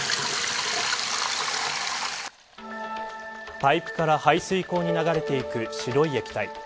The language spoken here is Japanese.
パイプから排水溝に流れていく白い液体。